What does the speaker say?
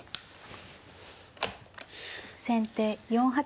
先手４八金。